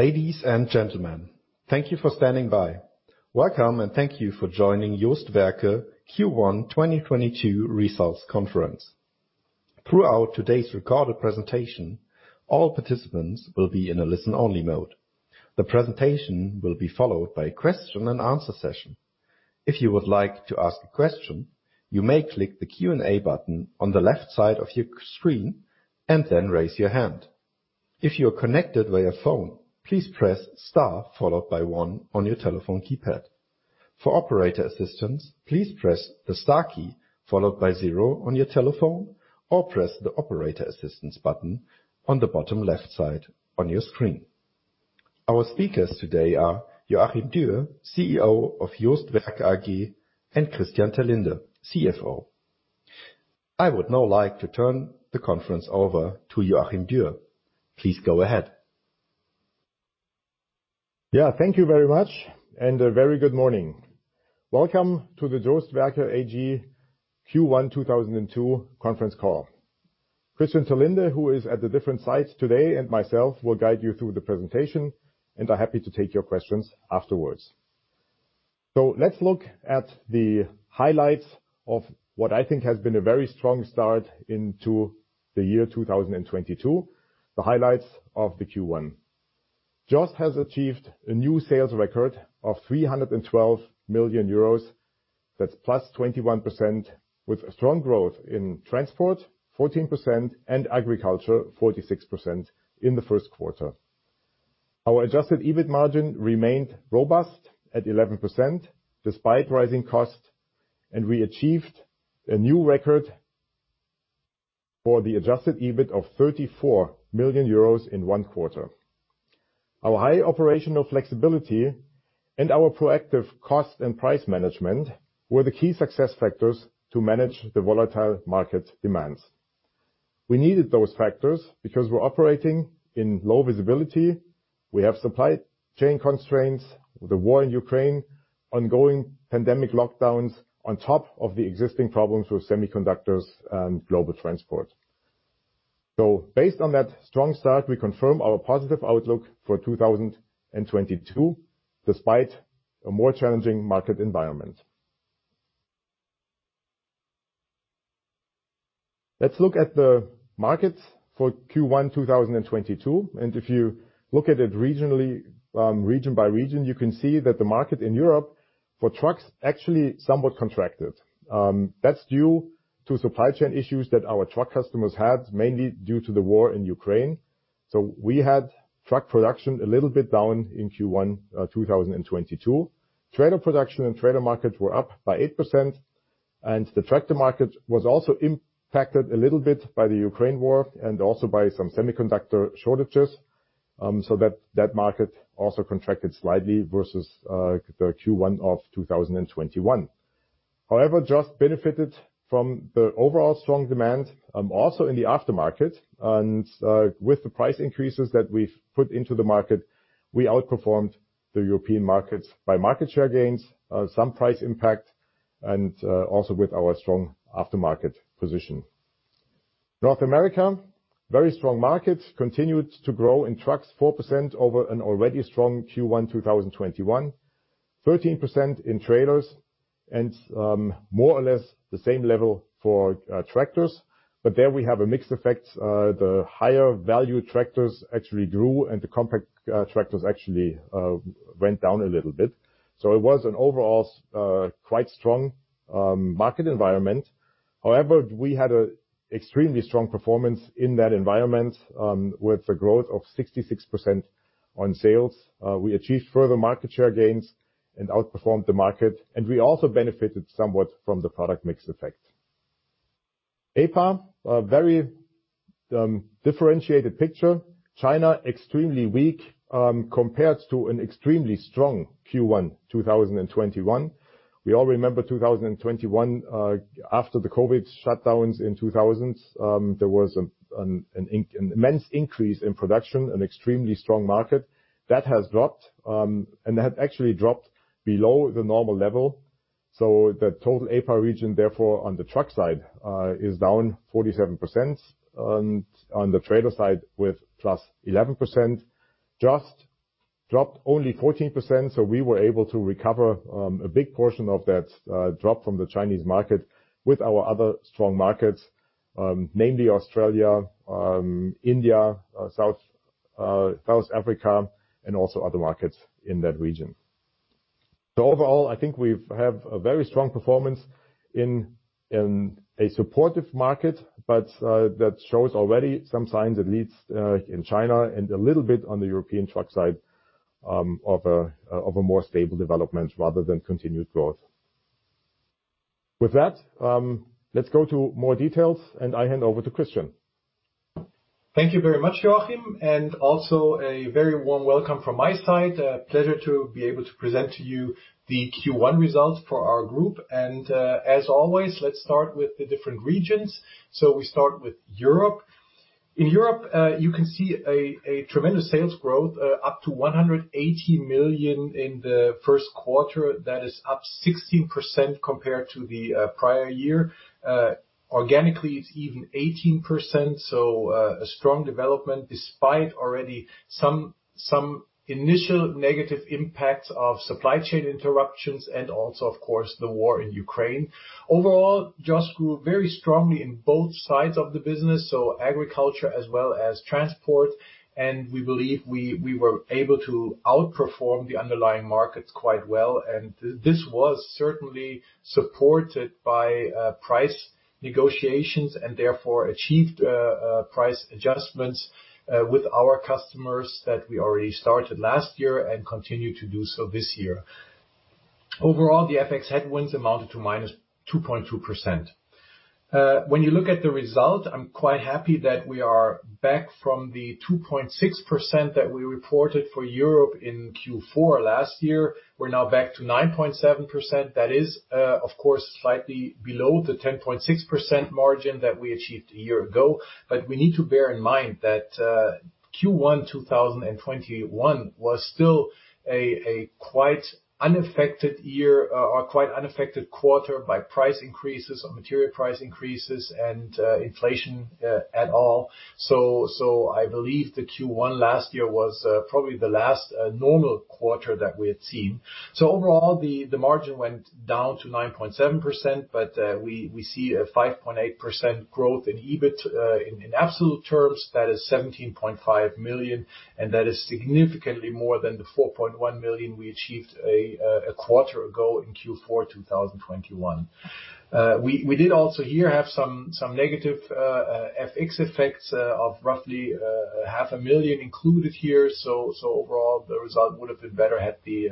Ladies and gentlemen, thank you for standing by. Welcome and thank you for joining JOST Werke Q1 2022 Results Conference. Throughout today's recorded presentation, all participants will be in a listen-only mode. The presentation will be followed by a question and answer session. If you would like to ask a question, you may click the Q&A button on the left side of your screen and then raise your hand. If you are connected via phone, please press Star followed by one on your telephone keypad. For operator assistance, please press the Star key followed by zero on your telephone or press the operator assistance button on the bottom left side on your screen. Our speakers today are Joachim Dürr, CEO of JOST Werke AG, and Christian Terlinde, CFO. I would now like to turn the conference over to Joachim Dürr. Please go ahead. Yeah. Thank you very much and a very good morning. Welcome to the JOST Werke AG Q1 2022 conference call. Christian Terlinde, who is at the different site today, and myself will guide you through the presentation, and are happy to take your questions afterwards. Let's look at the highlights of what I think has been a very strong start into the year 2022. The highlights of Q1. JOST has achieved a new sales record of 312 million euros. That's +21% with strong growth in transport, 14%, and agriculture, 46% in Q1. Our adjusted EBIT margin remained robust at 11% despite rising costs, and we achieved a new record for the adjusted EBIT of 34 million euros in one quarter. Our high operational flexibility and our proactive cost and price management were the key success factors to manage the volatile market demands. We needed those factors because we're operating in low visibility. We have supply chain constraints, the war in Ukraine, ongoing pandemic lockdowns on top of the existing problems with semiconductors and global transport. Based on that strong start, we confirm our positive outlook for 2022, despite a more challenging market environment. Let's look at the markets for Q1 2022, and if you look at it regionally, region by region, you can see that the market in Europe for trucks actually somewhat contracted. That's due to supply chain issues that our truck customers had, mainly due to the war in Ukraine. We had truck production a little bit down in Q1 2022. Trailer production and trailer markets were up by 8%, and the tractor market was also impacted a little bit by the Ukraine war and also by some semiconductor shortages. That market also contracted slightly versus Q1 2021. However, JOST benefited from the overall strong demand, also in the aftermarket. With the price increases that we've put into the market, we outperformed the European markets by market share gains, some price impact, and also with our strong aftermarket position. North America, very strong market. Continued to grow in trucks, 4% over an already strong Q1 2021, 13% in trailers, and more or less the same level for tractors. There we have a mixed effect. The higher value tractors actually grew and the compact tractors actually went down a little bit. It was an overall quite strong market environment. However, we had an extremely strong performance in that environment with a growth of 66% on sales. We achieved further market share gains and outperformed the market, and we also benefited somewhat from the product mix effect. APAC, a very differentiated picture. China, extremely weak compared to an extremely strong Q1 2021. We all remember 2021 after the COVID shutdowns in 2020. There was an immense increase in production, an extremely strong market. That has dropped, and that actually dropped below the normal level. The total APAC region, therefore, on the truck side, is down 47%, and on the trailer side with +11%. JOST dropped only 14%, so we were able to recover a big portion of that drop from the Chinese market with our other strong markets, namely Australia, India, South Africa and also other markets in that region. Overall, I think we have a very strong performance in a supportive market, but that shows already some signs, at least, in China and a little bit on the European truck side, of a more stable development rather than continued growth. With that, let's go to more details, and I hand over to Christian. Thank you very much, Joachim, and also a very warm welcome from my side. A pleasure to be able to present to you Q1 results for our group. As always, let's start with the different regions. We start with Europe. In Europe, you can see a tremendous sales growth up to 180 million in Q1. That is up 16% compared to the prior year. Organically, it's even 18%, so a strong development despite already some initial negative impacts of supply chain interruptions and also, of course, the war in Ukraine. Overall, JOST grew very strongly in both sides of the business, so agriculture as well as transport. We believe we were able to outperform the underlying markets quite well. This was certainly supported by price negotiations and therefore achieved price adjustments with our customers that we already started last year and continue to do so this year. Overall, the FX headwinds amounted to -2.2%. When you look at the result, I'm quite happy that we are back from the 2.6% that we reported for Europe in Q4 last year. We're now back to 9.7%. That is, of course, slightly below the 10.6% margin that we achieved a year ago. We need to bear in mind that Q1 2021 was still a quite unaffected year or quite unaffected quarter by price increases or material price increases and inflation at all. I believe Q1 last year was probably the last normal quarter that we had seen. Overall, the margin went down to 9.7%, but we see a 5.8% growth in EBIT. In absolute terms, that is 17.5 million, and that is significantly more than the 4.1 million we achieved a quarter ago in Q4 2021. We did also here have some negative FX effects of roughly half a million included here. Overall, the result would have been better had the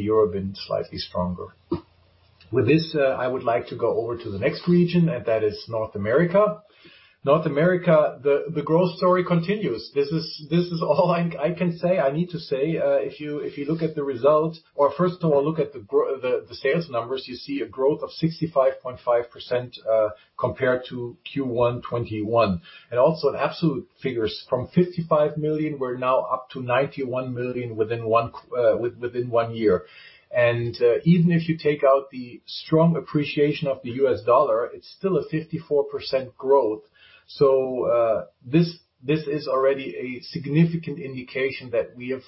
Euro been slightly stronger. With this, I would like to go over to the next region, and that is North America. North America, the growth story continues. This is all I can say, I need to say. If you look at the results or first of all, look at the sales numbers, you see a growth of 65.5% compared to Q1 2021. Also in absolute figures, from 55 million, we're now up to 91 million within one year. Even if you take out the strong appreciation of the US dollar, it's still a 54% growth. This is already a significant indication that we have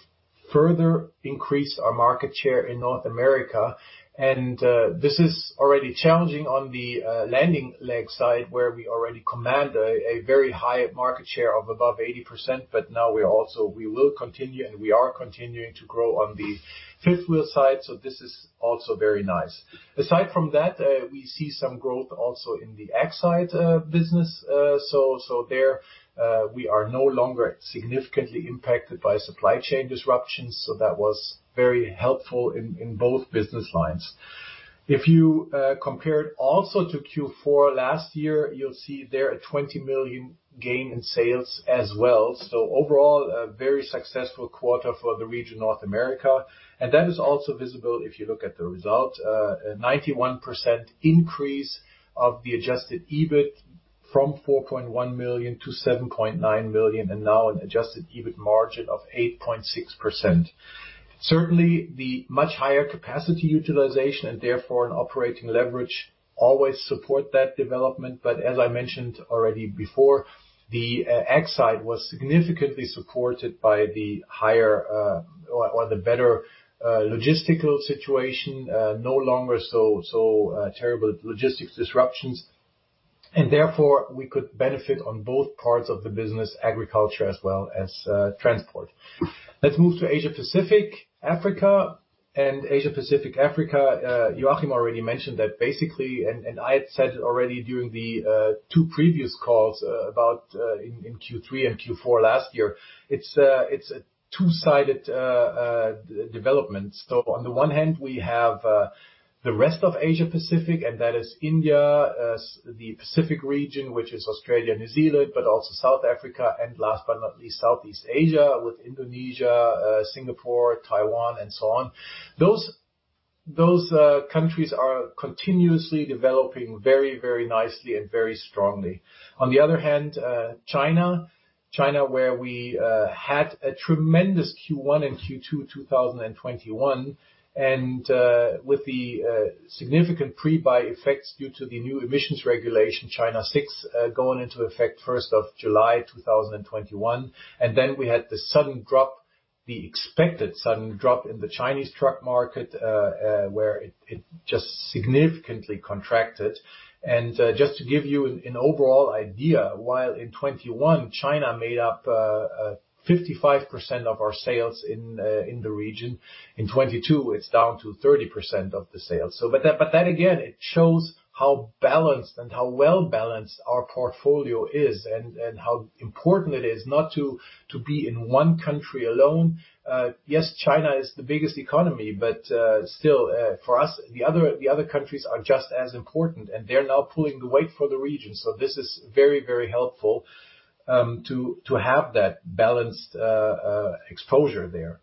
further increased our market share in North America. This is already challenging on the landing leg side, where we already command a very high market share of above 80%. Now we also will continue, and we are continuing to grow on the fifth wheel side. This is also very nice. Aside from that, we see some growth also in the ag side business. There we are no longer significantly impacted by supply chain disruptions. That was very helpful in both business lines. If you compare it also to Q4 last year, you'll see there a 20 million gain in sales as well. Overall, a very successful quarter for the region North America. That is also visible if you look at the results. A 91% increase of the adjusted EBIT from 4.1 million to 7.9 million, and now an adjusted EBIT margin of 8.6%. Certainly, the much higher capacity utilization, and therefore an operating leverage, always support that development. As I mentioned already before, the ag side was significantly supported by the higher or the better logistical situation. No longer terrible logistics disruptions. Therefore, we could benefit on both parts of the business, agriculture as well as transport. Let's move to Asia-Pacific, Africa. Asia-Pacific, Africa, Joachim already mentioned that basically, and I had said already during the two previous calls about in Q3 and Q4 last year. It's a two-sided development. On the one hand, we have the rest of Asia-Pacific, and that is India, the Pacific region, which is Australia, New Zealand, but also South Africa, and last but not least, Southeast Asia with Indonesia, Singapore, Taiwan, and so on. Those countries are continuously developing very nicely and very strongly. On the other hand, China. China, where we had a tremendous Q1 and Q2, 2021, and with the significant pre-buy effects due to the new emissions regulation, China VI, going into effect July 1st, 2021. We had the sudden drop, the expected sudden drop in the Chinese truck market, where it just significantly contracted. Just to give you an overall idea, while in 2021, China made up 55% of our sales in the region, in 2022, it's down to 30% of the sales. But that, again, it shows how balanced and how well-balanced our portfolio is and how important it is not to be in one country alone. Yes, China is the biggest economy, but still, for us, the other countries are just as important, and they're now pulling the weight for the region. This is very, very helpful to have that balanced exposure there.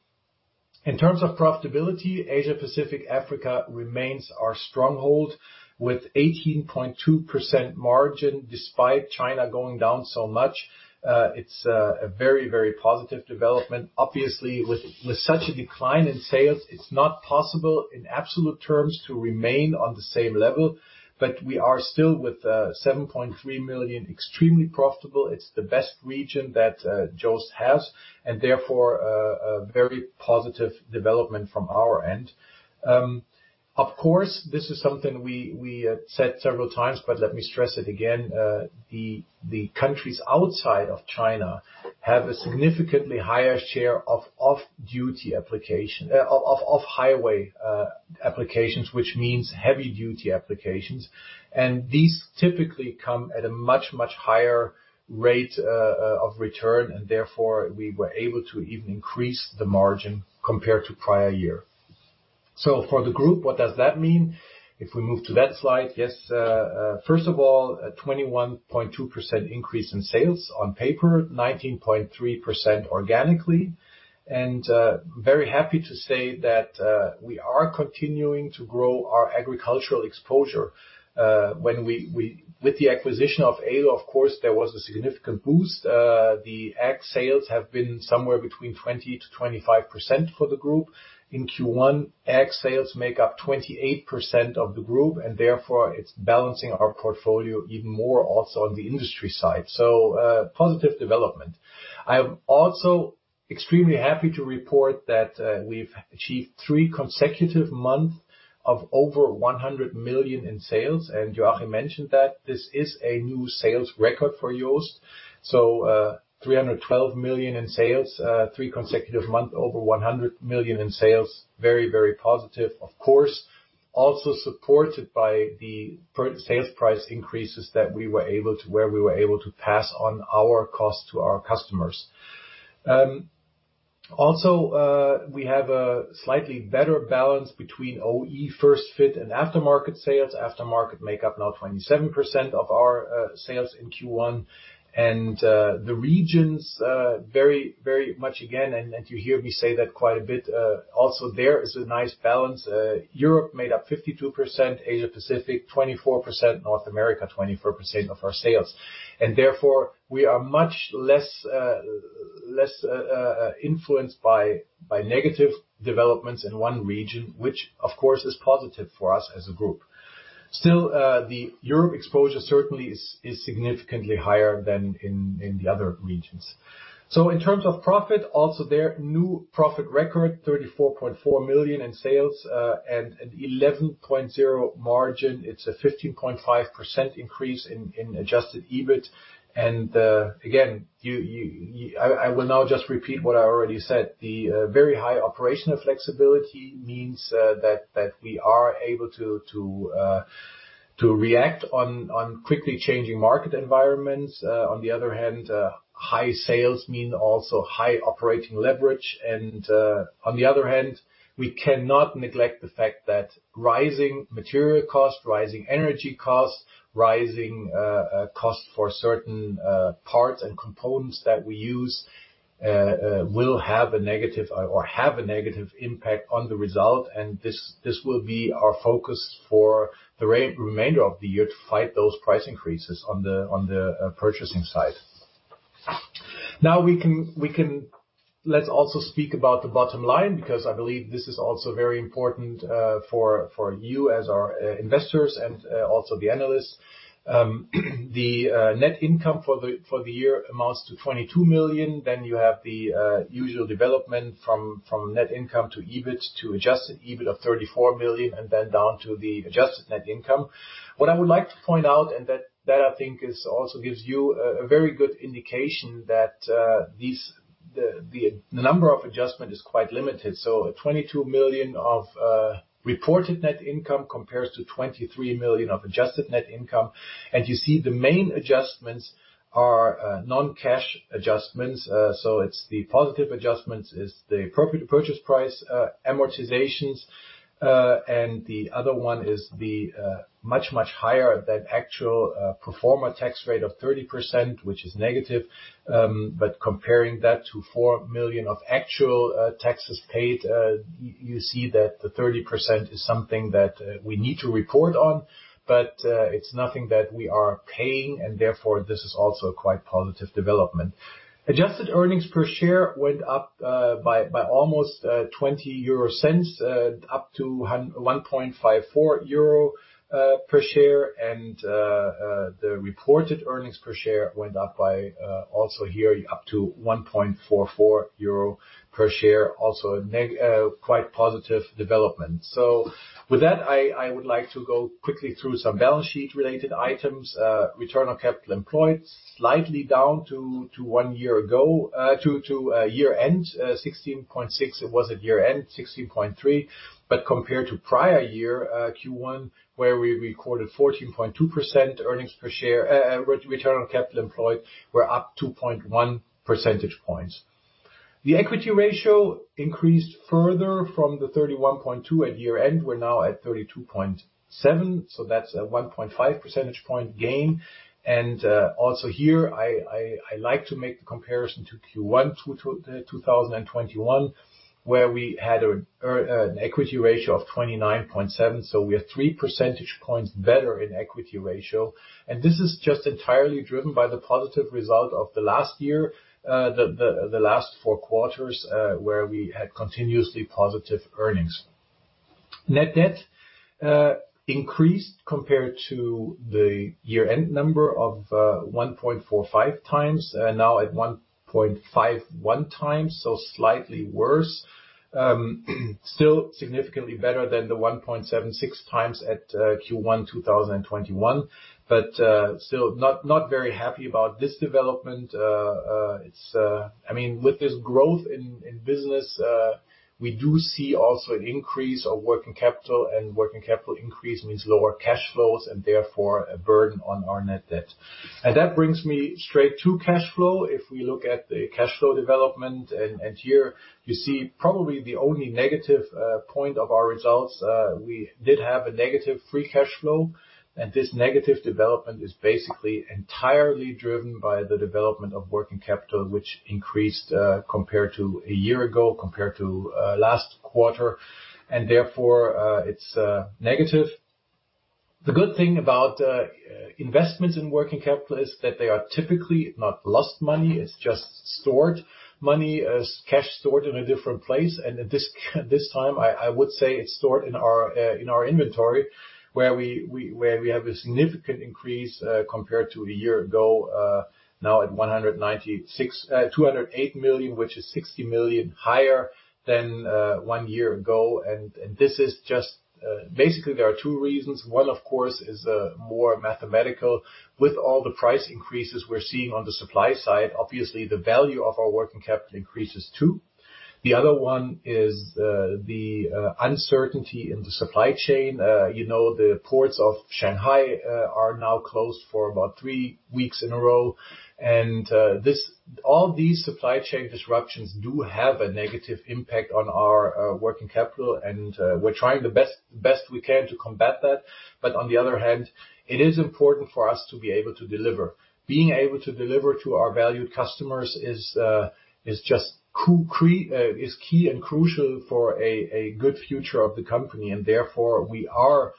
In terms of profitability, Asia Pacific Africa remains our stronghold with 18.2% margin despite China going down so much. It's a very, very positive development. Obviously, with such a decline in sales, it's not possible in absolute terms to remain on the same level. We are still, with 7.3 million, extremely profitable. It's the best region that JOST has, and therefore, a very positive development from our end. Of course, this is something we have said several times, but let me stress it again, the countries outside of China have a significantly higher share of off-highway applications, which means heavy-duty applications. These typically come at a much, much higher rate of return, and therefore, we were able to even increase the margin compared to prior year. For the group, what does that mean? If we move to that slide, first of all, a 21.2% increase in sales on paper, 19.3% organically. Very happy to say that we are continuing to grow our agricultural exposure. With the acquisition of Ålö, of course, there was a significant boost. The ag sales have been somewhere between 20%-25% for the group. In Q1, ag sales make up 28% of the group, and therefore it's balancing our portfolio even more also on the industry side. Positive development. I am also extremely happy to report that we've achieved three consecutive months of over 100 million in sales, and Joachim mentioned that this is a new sales record for JOST. 312 million in sales, three consecutive months over 100 million in sales. Very, very positive, of course. Also supported by the sales price increases that we were able to pass on our costs to our customers. Also, we have a slightly better balance between OE first fit and aftermarket sales. Aftermarket makes up now 27% of our sales in Q1. The regions very much again, and you hear me say that quite a bit, also there is a nice balance. Europe made up 52%, Asia Pacific 24%, North America 24% of our sales. Therefore, we are much less influenced by negative developments in one region, which of course is positive for us as a group. Still, the Europe exposure certainly is significantly higher than in the other regions. In terms of profit, also there new profit record, 34.4 million in sales, and an 11.0% margin. It's a 15.5% increase in adjusted EBIT. Again, I will now just repeat what I already said. The very high operational flexibility means that we are able to react on quickly changing market environments. On the other hand, high sales mean also high operating leverage. On the other hand, we cannot neglect the fact that rising material costs, rising energy costs, rising costs for certain parts and components that we use will have a negative impact on the result. This will be our focus for the remainder of the year to fight those price increases on the purchasing side. Let's also speak about the bottom line, because I believe this is also very important for you as our investors and also the analysts. The net income for the year amounts to 22 million. You have the usual development from net income to EBIT to adjusted EBIT of 34 million, and then down to the adjusted net income. What I would like to point out, that I think also gives you a very good indication that the number of adjustment is quite limited. 22 million of reported net income compares to 23 million of adjusted net income. You see the main adjustments are non-cash adjustments. It's the positive adjustments is the appropriate purchase price amortizations. The other one is the much higher than actual pro forma tax rate of 30%, which is negative. Comparing that to 4 million of actual taxes paid, you see that the 30% is something that we need to report on, but it's nothing that we are paying, and therefore, this is also a quite positive development. Adjusted earnings per share went up by almost 0.20 up to 1.54 euro per share. The reported earnings per share went up by also here up to 1.44 euro per share. Also a quite positive development. With that, I would like to go quickly through some balance sheet related items. Return on capital employed, slightly down to one year ago to year-end, 16.6%. It was at year-end, 16.3%. Compared to prior year Q1, where we recorded 14.2% return on capital employed, we're up 2.1 percentage points. The equity ratio increased further from the 31.2 at year-end. We're now at 32.7, so that's a 1.5 percentage point gain. I like to make the comparison to Q1 2021. Where we had an equity ratio of 29.7, so we are three percentage points better in equity ratio. This is just entirely driven by the positive result of the last year, the last four quarters, where we had continuously positive earnings. Net debt increased compared to the year-end number of 1.45 times, now at 1.51 times, so slightly worse. Still significantly better than the 1.76 times at Q1, 2021. Still not very happy about this development. I mean, with this growth in business, we do see also an increase of working capital, and working capital increase means lower cash flows, and therefore, a burden on our net debt. That brings me straight to cash flow. If we look at the cash flow development, here you see probably the only negative point of our results. We did have a negative free cash flow, and this negative development is basically entirely driven by the development of working capital, which increased, compared to a year ago, compared to last quarter, and therefore, it's negative. The good thing about investments in working capital is that they are typically not lost money. It's just stored money, cash stored in a different place. At this time, I would say it's stored in our inventory, where we have a significant increase compared to a year ago, now at 196, 208 million, which is 60 million higher than one year ago. This is just. Basically, there are two reasons. One, of course, is more mathematical. With all the price increases we're seeing on the supply side, obviously, the value of our working capital increases too. The other one is the uncertainty in the supply chain. You know, the ports of Shanghai are now closed for about three weeks in a row. All these supply chain disruptions do have a negative impact on our working capital, and we're trying the best we can to combat that. On the other hand, it is important for us to be able to deliver. Being able to deliver to our valued customers is just key and crucial for a good future of the company, and therefore, we are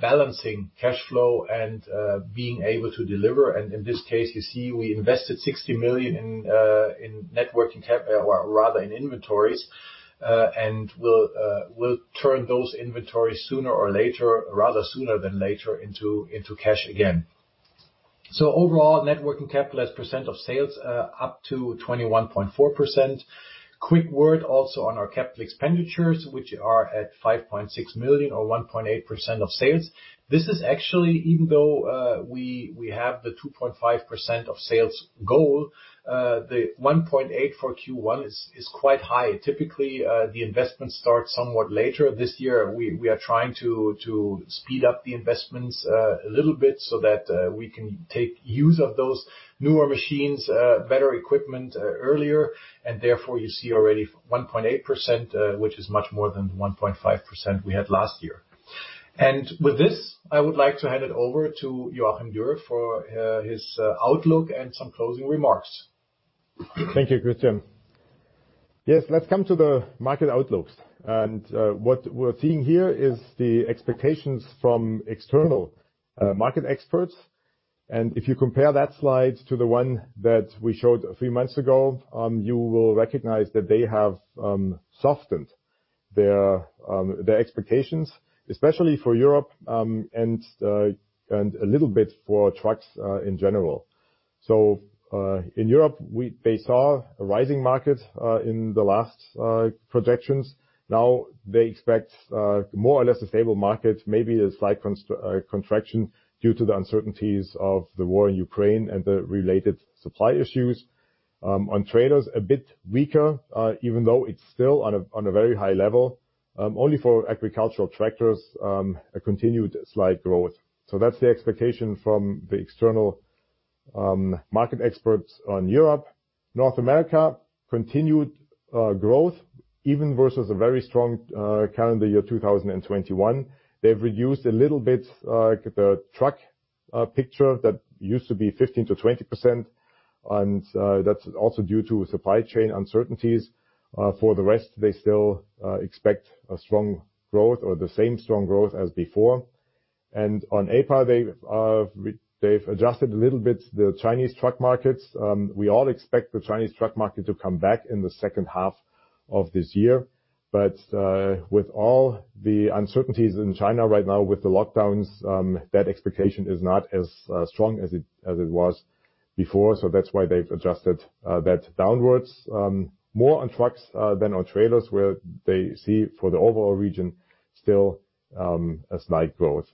balancing cash flow and being able to deliver. In this case, you see we invested 60 million in inventories. We'll turn those inventories sooner or later, rather sooner than later, into cash again. Overall, net working capital as percent of sales up to 21.4%. Quick word also on our capital expenditures, which are at 5.6 million, or 1.8% of sales. This is actually, even though we have the 2.5% of sales goal, the 1.8% for Q1 is quite high. Typically, the investment starts somewhat later this year. We are trying to speed up the investments a little bit so that we can make use of those newer machines, better equipment, earlier. Therefore, you see already 1.8%, which is much more than the 1.5% we had last year. With this, I would like to hand it over to Joachim Dürr for his outlook and some closing remarks. Thank you, Christian. Yes, let's come to the market outlooks. What we're seeing here is the expectations from external market experts. If you compare that slide to the one that we showed a few months ago, you will recognize that they have softened their expectations, especially for Europe and a little bit for trucks in general. In Europe, they saw a rising market in the last projections. Now they expect more or less a stable market, maybe a slight contraction due to the uncertainties of the war in Ukraine and the related supply issues. On trailers, a bit weaker even though it's still on a very high level. Only for agricultural tractors, a continued slight growth. That's the expectation from the external market experts on Europe. North America, continued growth, even versus a very strong calendar year 2021. They've reduced a little bit the truck picture that used to be 15%-20%. That's also due to supply chain uncertainties. For the rest, they still expect a strong growth or the same strong growth as before. On APAC, they've adjusted a little bit the Chinese truck markets. We all expect the Chinese truck market to come back in the second half of this year. With all the uncertainties in China right now with the lockdowns, that expectation is not as strong as it was before. That's why they've adjusted that downwards, more on trucks than on trailers, where they see for the overall region still a slight growth.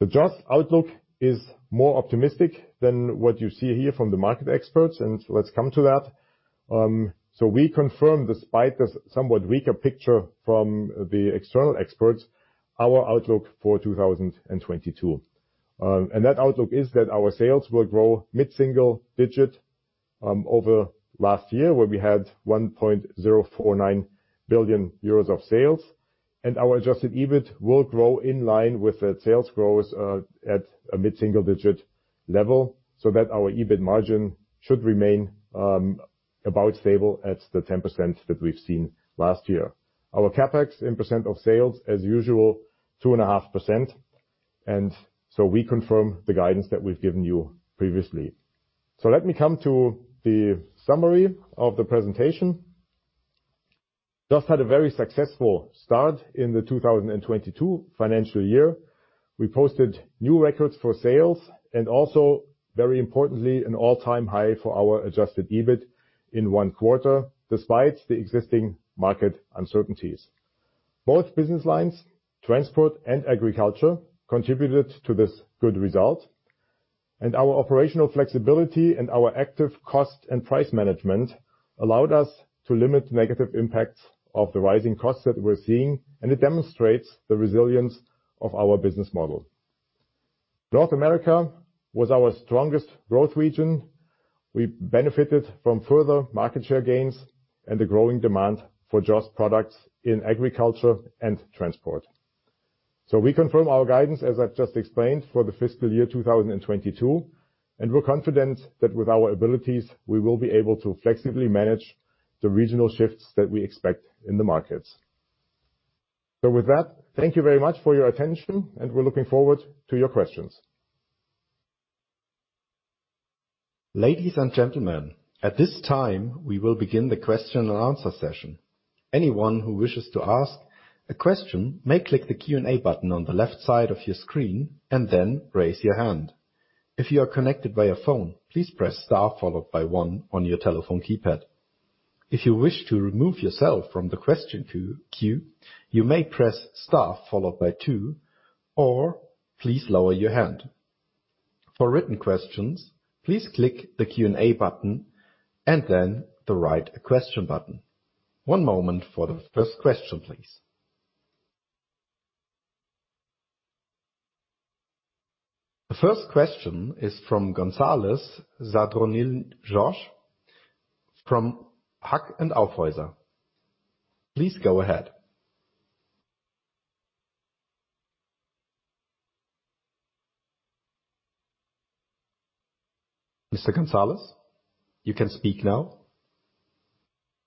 The JOST outlook is more optimistic than what you see here from the market experts, and let's come to that. We confirm, despite the somewhat weaker picture from the external experts, our outlook for 2022. That outlook is that our sales will grow mid-single digit over last year, where we had 1.049 billion euros of sales. Our adjusted EBIT will grow in line with the sales growth at a mid-single digit level, so that our EBIT margin should remain about stable at the 10% that we've seen last year. Our CapEx in percent of sales as usual, 2.5%. We confirm the guidance that we've given you previously. Let me come to the summary of the presentation. JOST had a very successful start in the 2022 financial year. We posted new records for sales and also, very importantly, an all-time high for our adjusted EBIT in one quarter, despite the existing market uncertainties. Both business lines, transport and agriculture, contributed to this good result. Our operational flexibility and our active cost and price management allowed us to limit negative impacts of the rising costs that we're seeing, and it demonstrates the resilience of our business model. North America was our strongest growth region. We benefited from further market share gains and the growing demand for JOST products in agriculture and transport. We confirm our guidance, as I've just explained, for the fiscal year 2022, and we're confident that with our abilities, we will be able to flexibly manage the regional shifts that we expect in the markets. With that, thank you very much for your attention, and we're looking forward to your questions. Ladies and gentlemen, at this time, we will begin the question and answer session. Anyone who wishes to ask a question may click the Q&A button on the left side of your screen and then raise your hand. If you are connected by a phone, please press star followed by one on your telephone keypad. If you wish to remove yourself from the question queue, you may press star followed by two, or please lower your hand. For written questions, please click the Q&A button and then the Write a Question button. One moment for the first question, please. The first question is from Jorge Gonzalez Sadornil from Hauck & Aufhäuser. Please go ahead. Mr. Gonzalez, you can speak now.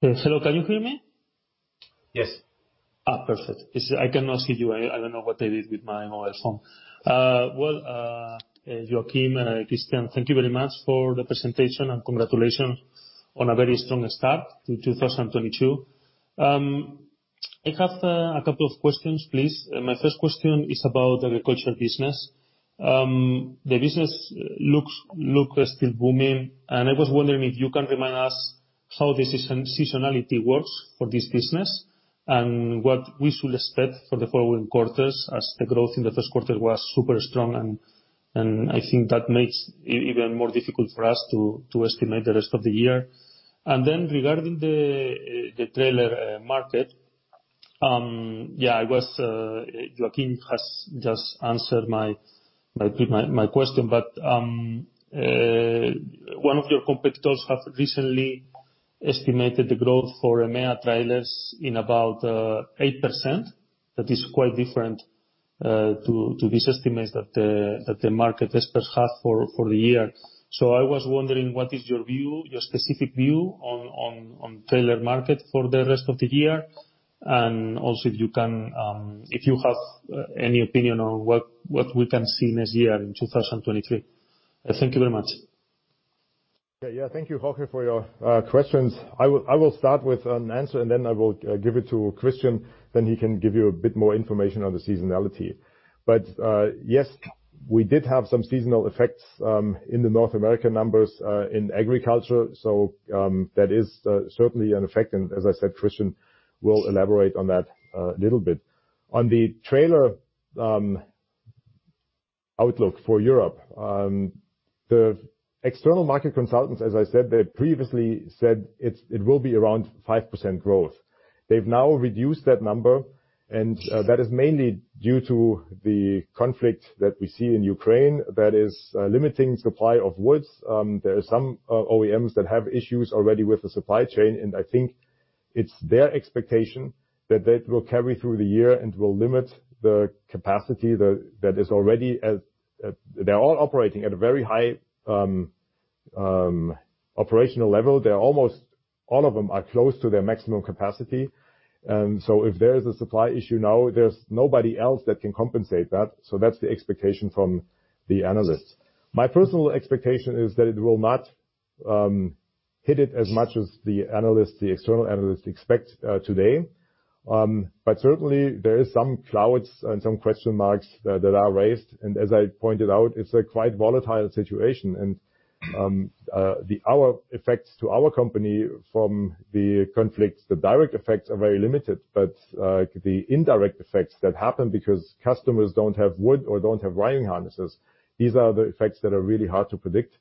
Hello, can you hear me? Yes. Perfect. I cannot see you. I don't know what I did with my mobile phone. Well, Joachim and Christian, thank you very much for the presentation, and congratulations on a very strong start in 2022. I have a couple of questions, please. My first question is about the agricultural business. The business looks still booming, and I was wondering if you can remind us how the seasonality works for this business and what we should expect for the following quarters as the growth in Q1 was super strong, and I think that makes even more difficult for us to estimate the rest of the year? Regarding the trailer market, Joachim has just answered my question. One of your competitors have recently estimated the growth for EMEA trailers in about 8%. That is quite different to this estimate that the market experts have for the year. I was wondering, what is your view, your specific view on the trailer market for the rest of the year? Also if you can, if you have any opinion on what we can see next year in 2023. Thank you very much. Yeah, yeah. Thank you, Jorge, for your questions. I will start with an answer and then I will give it to Christian, then he can give you a bit more information on the seasonality. Yes, we did have some seasonal effects in the North America numbers in agriculture. That is certainly an effect. As I said, Christian will elaborate on that a little bit. On the trailer outlook for Europe, the external market consultants, as I said, they previously said it will be around 5% growth. They've now reduced that number, and that is mainly due to the conflict that we see in Ukraine that is limiting supply of goods. There are some OEMs that have issues already with the supply chain, and I think it's their expectation that that will carry through the year and will limit the capacity that is already at a very high operational level. Almost all of them are close to their maximum capacity. If there is a supply issue now, there's nobody else that can compensate that. That's the expectation from the analysts. My personal expectation is that it will not hit it as much as the analysts, the external analysts expect today. Certainly there are some clouds and some question marks that are raised. As I pointed out, it's a quite volatile situation. The effects on our company from the conflicts, the direct effects are very limited. The indirect effects that happen because customers don't have wood or don't have wiring harnesses, these are the effects that are really hard to predict.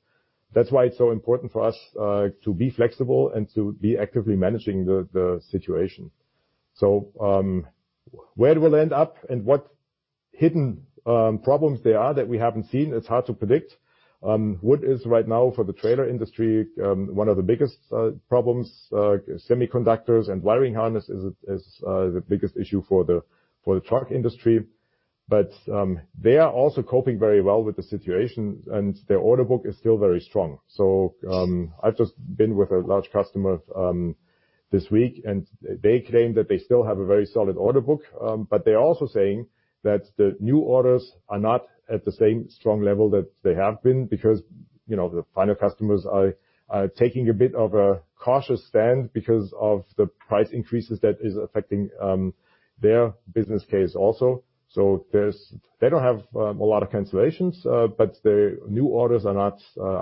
That's why it's so important for us to be flexible and to be actively managing the situation. Where we'll end up and problems there are that we haven't seen, it's hard to predict. What is right now for the trailer industry one of the biggest problems, semiconductors and wiring harness, is the biggest issue for the truck industry. They are also coping very well with the situation, and their order book is still very strong. I've just been with a large customer this week, and they claim that they still have a very solid order book. They're also saying that the new orders are not at the same strong level that they have been because, you know, the final customers are taking a bit of a cautious stand because of the price increases that is affecting their business case also. They don't have a lot of cancellations, but the new orders are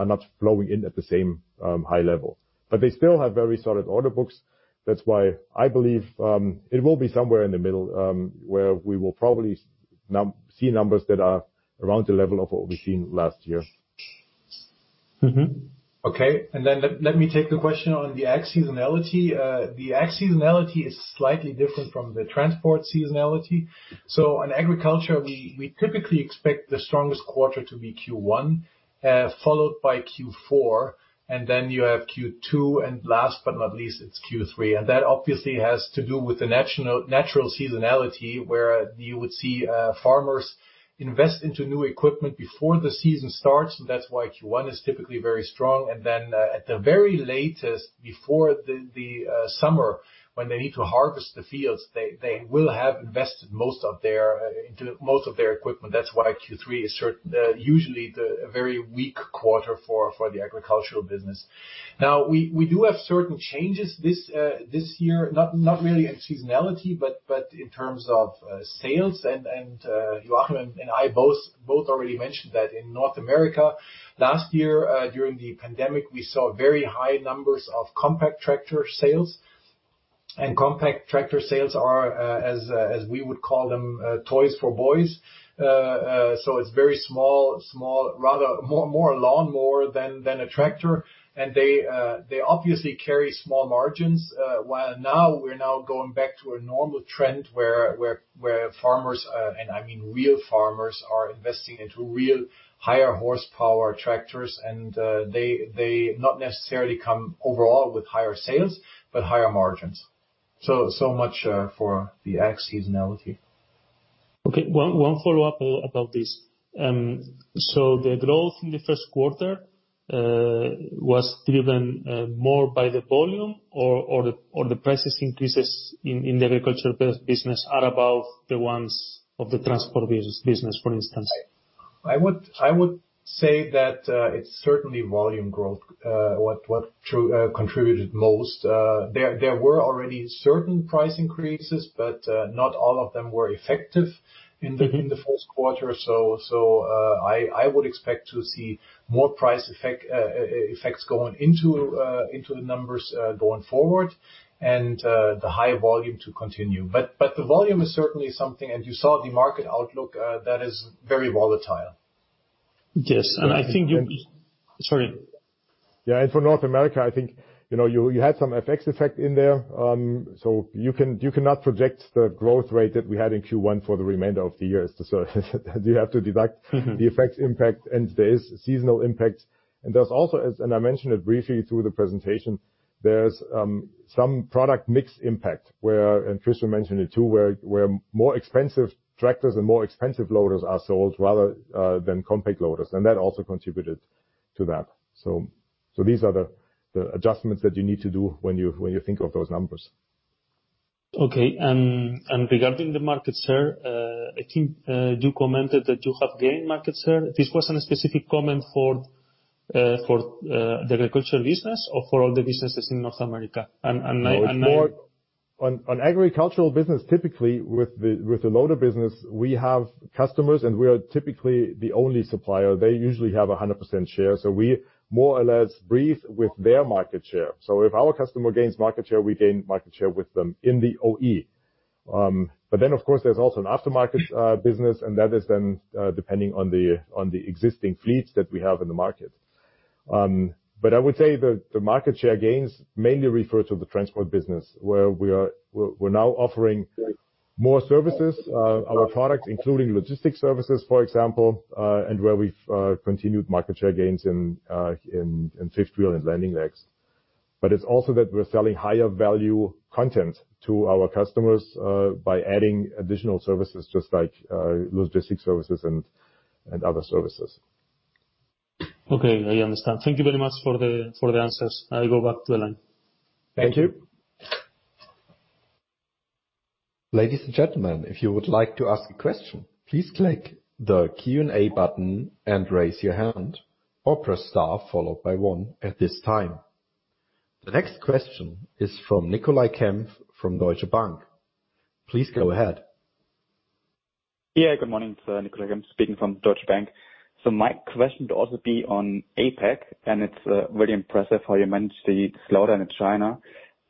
not flowing in at the same high level. They still have very solid order books. That's why I believe it will be somewhere in the middle, where we will probably see numbers that are around the level of what we've seen last year. Okay. Let me take the question on the ag seasonality. The ag seasonality is slightly different from the transport seasonality. In agriculture, we typically expect the strongest quarter to be Q1, followed by Q4, and then you have Q2, and last but not least, it's Q3. That obviously has to do with the natural seasonality, where you would see farmers invest into new equipment before the season starts. That's why Q1 is typically very strong. At the very latest, before the summer, when they need to harvest the fields, they will have invested most of their into most of their equipment. That's why Q3 is usually a very weak quarter for the agricultural business. Now, we do have certain changes this year, not really in seasonality, but in terms of sales. Joachim and I both already mentioned that in North America last year, during the pandemic, we saw very high numbers of compact tractor sales. Compact tractor sales are, as we would call them, toys for boys. So it's very small rather, more a lawnmower than a tractor. They obviously carry small margins. While now we're going back to a normal trend where farmers, and I mean, real farmers are investing into real higher horsepower tractors. They not necessarily come overall with higher sales, but higher margins. So much for the ag seasonality. Okay. One follow-up about this. The growth in Q1 was driven more by the volume or the price increases in the agricultural business are above the ones of the transport business, for instance? I would say that it's certainly volume growth contributed most. There were already certain price increases, but not all of them were effective in Q1. I would expect to see more price effects going into the numbers going forward and the high volume to continue. The volume is certainly something, and you saw the market outlook that is very volatile. Yes. I think you And- Sorry. Yeah. For North America, I think, you know, you had some FX effect in there. So you cannot project the growth rate that we had in Q1 for the remainder of the year. You have to deduct- Mm-hmm. The FX impact and there's seasonal impact. I mentioned it briefly through the presentation. There's some product mix impact where, and Christian mentioned it too, where more expensive tractors and more expensive loaders are sold rather than compact loaders. That also contributed to that. These are the adjustments that you need to do when you think of those numbers. Okay. Regarding the market share, I think you commented that you have gained market share. This was a specific comment for the agricultural business or for all the businesses in North America? No, it's more on agricultural business, typically with the loader business, we have customers, and we are typically the only supplier. They usually have 100% share. We more or less breathe with their market share. If our customer gains market share, we gain market share with them in the OE. Of course, there's also an aftermarket business, and that is then depending on the existing fleets that we have in the market. I would say the market share gains mainly refer to the transport business, where we're now offering more services, our products, including logistics services, for example, and where we've continued market share gains in fifth wheel and landing legs. It's also that we're selling higher value content to our customers by adding additional services just like logistics services and other services. Okay, I understand. Thank you very much for the answers. I'll go back to the line. Thank you. Ladies and gentlemen, if you would like to ask a question, please click the Q&A button and raise your hand or press star followed by one at this time. The next question is from Nicolai Kempf from Deutsche Bank. Please go ahead. Yeah. Good morning. It's Nicolai Kempf speaking from Deutsche Bank. My question would also be on APAC, and it's very impressive how you managed the slowdown in China.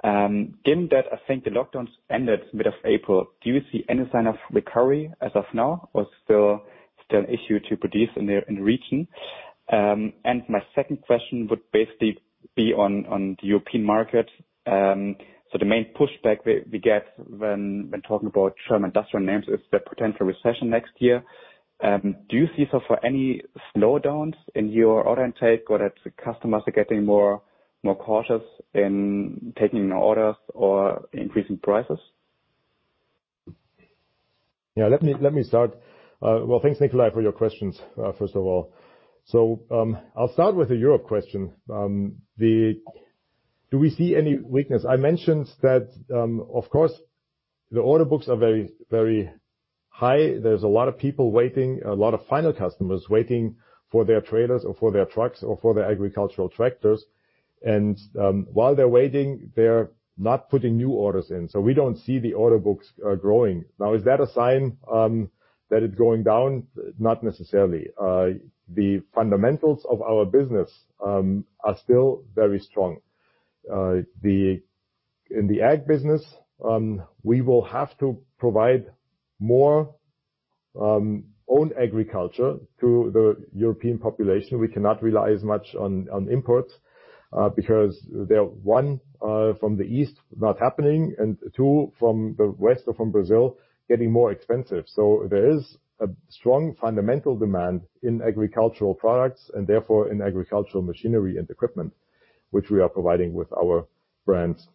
Given that, I think the lockdowns ended mid of April, do you see any sign of recovery as of now or still an issue to produce in the region? My second question would basically be on the European market. The main pushback we get when talking about German industrial names is the potential recession next year. Do you see, so far, any slowdowns in your order intake, or that the customers are getting more cautious in taking orders or increasing prices? Yeah, let me start. Well, thanks Nicolai for your questions, first of all. I'll start with the Europe question. Do we see any weakness? I mentioned that, of course, the order books are very, very high. There's a lot of people waiting, a lot of final customers waiting for their trailers or for their trucks or for their agricultural tractors. While they're waiting, they're not putting new orders in, so we don't see the order books growing. Now, is that a sign that it's going down? Not necessarily. The fundamentals of our business are still very strong. In the ag business, we will have to provide more own agriculture to the European population. We cannot rely as much on imports because they are one, from the East, not happening, and two, from the West or from Brazil, getting more expensive. There is a strong fundamental demand in agricultural products, and therefore in agricultural machinery and equipment, which we are providing with our brands.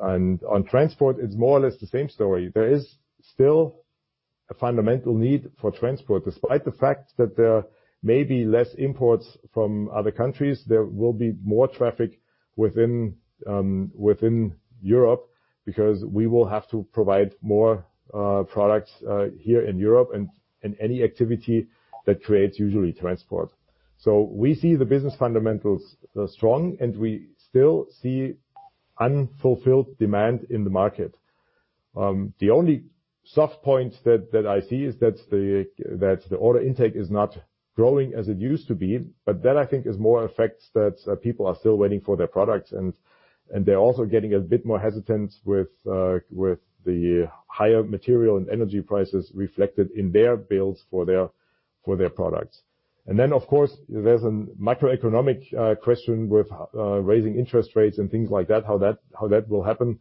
On transport, it's more or less the same story. There is still a fundamental need for transport. Despite the fact that there may be less imports from other countries, there will be more traffic within Europe, because we will have to provide more products here in Europe and any activity that creates usually transport. We see the business fundamentals strong, and we still see unfulfilled demand in the market. The only soft point that I see is that the order intake is not growing as it used to be. I think that is more effects that people are still waiting for their products and they're also getting a bit more hesitant with the higher material and energy prices reflected in their bills for their products. Then, of course, there's a macroeconomic question with raising interest rates and things like that, how that will happen.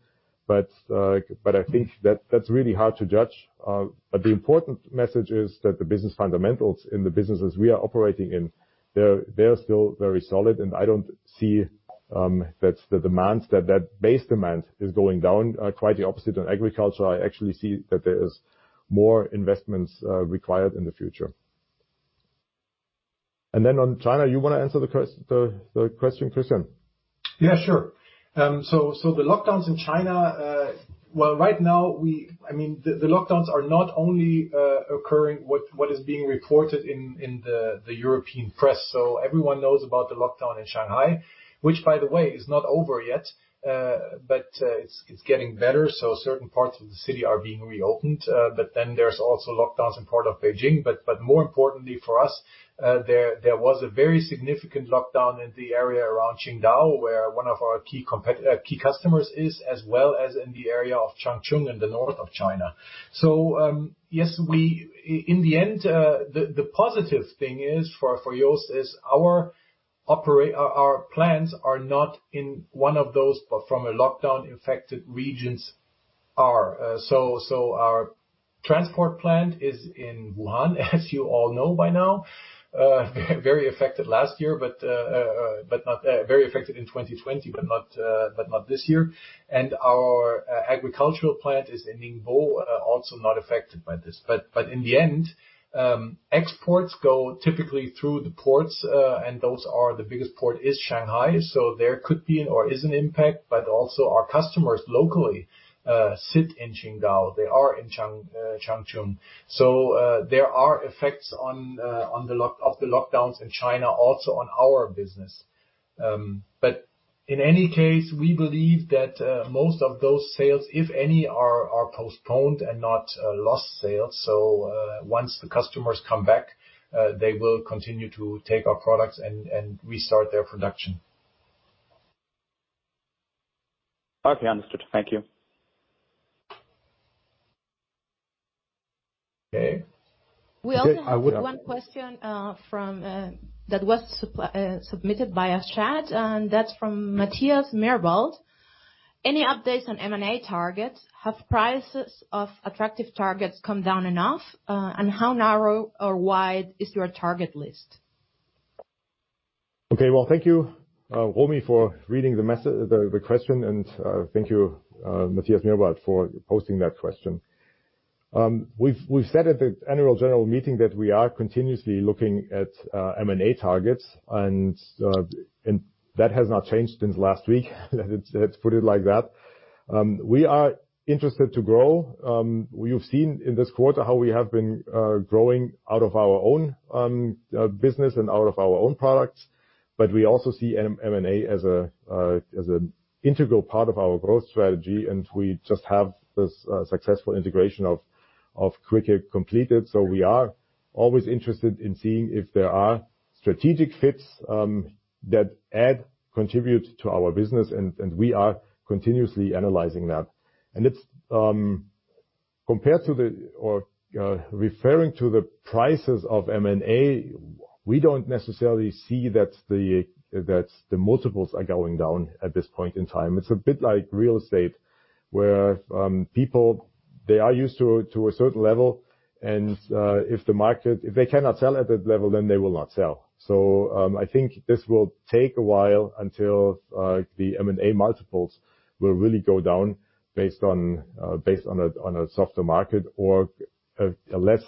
I think that that's really hard to judge. The important message is that the business fundamentals in the businesses we are operating in, they're still very solid. I don't see that the demand, that base demand is going down. Quite the opposite. On agriculture, I actually see that there is more investments required in the future. On China, you wanna answer the question, Christian? Yeah, sure. The lockdowns in China, right now, the lockdowns are not only occurring, what is being reported in the European press. Everyone knows about the lockdown in Shanghai, which, by the way, is not over yet. It's getting better, so certain parts of the city are being reopened. There's also lockdowns in part of Beijing. More importantly for us, there was a very significant lockdown in the area around Qingdao, where one of our key customers is, as well as in the area of Changchun in the north of China. In the end, the positive thing is for JOST, our plants are not in one of those lockdown-infected regions. Our transport plant is in Wuhan, as you all know by now. Very affected last year, but not this year. Very affected in 2020, but not this year. Our agricultural plant is in Ningbo, also not affected by this. In the end, exports go typically through the ports, and the biggest port is Shanghai. There could be or is an impact, but also our customers locally sit in Qingdao. They are in Changchun. There are effects of the lockdowns in China also on our business. In any case, we believe that most of those sales, if any, are postponed and not lost sales. Once the customers come back, they will continue to take our products and restart their production. Okay. Understood. Thank you. Okay. We also have one question that was submitted via chat, and that's from Matthias Meerwald. Any updates on M&A targets? Have prices of attractive targets come down enough? How narrow or wide is your target list? Okay. Well, thank you, Romy, for reading the question, and thank you, Matthias Meerwald, for posting that question. We've said at the annual general meeting that we are continuously looking at M&A targets, and that has not changed since last week. Let's put it like that. We are interested to grow. You've seen in this quarter how we have been growing out of our own business and out of our own products, but we also see M&A as an integral part of our growth strategy, and we just have this successful integration of Quicke completed. We are always interested in seeing if there are strategic fits that contribute to our business, and we are continuously analyzing that. Referring to the prices of M&A, we don't necessarily see that the multiples are going down at this point in time. It's a bit like real estate, where people they are used to a certain level, and if they cannot sell at that level, then they will not sell. I think this will take a while until the M&A multiples will really go down based on a softer market or a less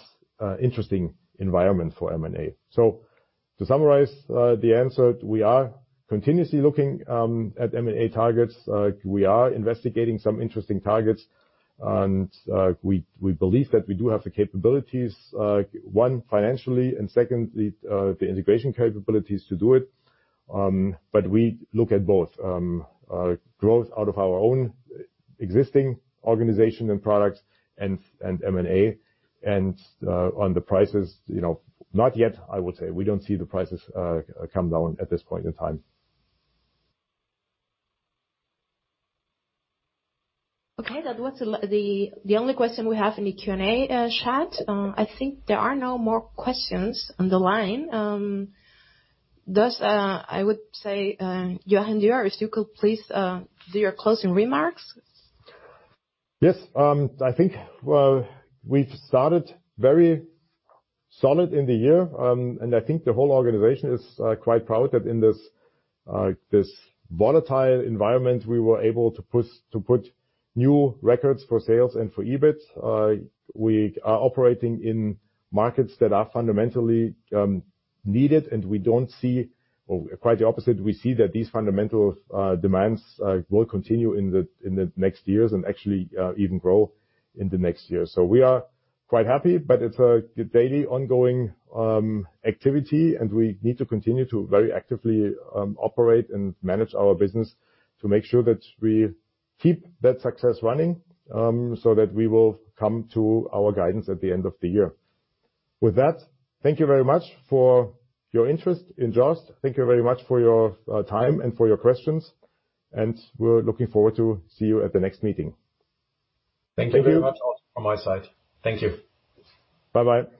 interesting environment for M&A. To summarize the answer, we are continuously looking at M&A targets. We are investigating some interesting targets, and we believe that we do have the capabilities, one, financially, and second, the integration capabilities to do it. We look at both growth out of our own existing organization and products and M&A. On the prices, you know, not yet, I would say. We don't see the prices come down at this point in time. Okay. That was the only question we have in the Q&A chat. I think there are no more questions on the line. Thus, I would say, Joachim Dürr, if you could please do your closing remarks. Yes. I think, well, we've started very solid in the year, and I think the whole organization is quite proud that in this this volatile environment, we were able to put new records for sales and for EBIT. We are operating in markets that are fundamentally needed, and we don't see, or quite the opposite, we see that these fundamental demands will continue in the next years and actually even grow in the next years. We are quite happy. It's a daily ongoing activity, and we need to continue to very actively operate and manage our business to make sure that we keep that success running, so that we will come to our guidance at the end of the year. With that, thank you very much for your interest in JOST. Thank you very much for your time and for your questions, and we're looking forward to see you at the next meeting. Thank you. Thank you very much also from my side. Thank you. Bye-bye.